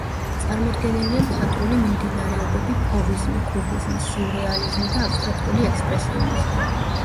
წარმოდგენილია მხატვრული მიმდინარეობები ფოვიზმი, კუბიზმი, სიურეალიზმი და აბსტრაქტული ექსპრესიონიზმი.